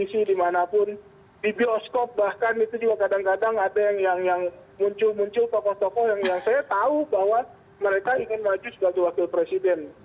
di sisi dimanapun di bioskop bahkan itu juga kadang kadang ada yang muncul muncul tokoh tokoh yang saya tahu bahwa mereka ingin maju sebagai wakil presiden